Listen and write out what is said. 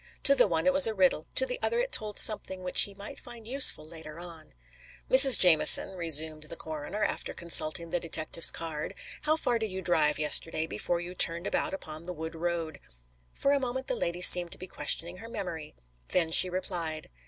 To the one it was a riddle; to the other it told something which he might find useful later on. "Mrs. Jamieson," resumed the coroner, after consulting the detective's card, "how far did you drive yesterday before you turned about upon the wood road?" For a moment the lady seemed to be questioning her memory. Then she replied.